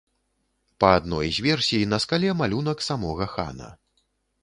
Па адной з версій, на скале малюнак самога хана.